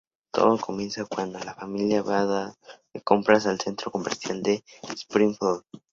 Todo comienza cuando la familia va de compras al centro comercial de Springfield.